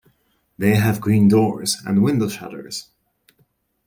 They have green doors and window shutters.